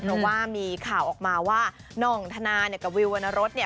เพราะว่ามีข่าวออกมาว่าน่องธนาเนี่ยกับวิววรรณรสเนี่ย